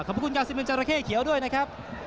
ขอบคุณ๙๑จาระเข้เขียวด้วยนะครับ